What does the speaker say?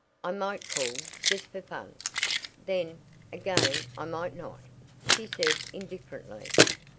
"I might call just for fun. Then, again I might not," she said indifferently.